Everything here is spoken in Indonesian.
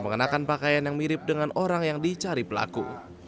mengenakan pakaian yang mirip dengan orang yang dicari pelaku